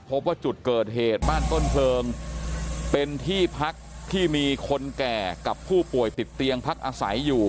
พบว่าจุดเกิดเหตุบ้านต้นเพลิงเป็นที่พักที่มีคนแก่กับผู้ป่วยติดเตียงพักอาศัยอยู่